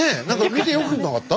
見てよくなかった？